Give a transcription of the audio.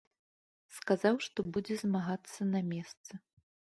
Сказаў, што будзе змагацца на месцы.